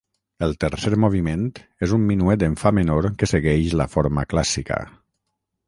El tercer moviment és un minuet en fa menor que segueix la forma clàssica.